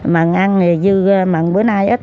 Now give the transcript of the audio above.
mà ăn như bữa nay ít